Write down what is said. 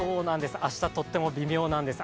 明日、とっても微妙なんです。